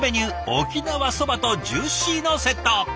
沖縄そばとジューシーのセット。